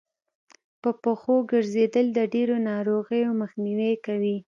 په پښو ګرځېدل د ډېرو ناروغيو مخنیوی کوي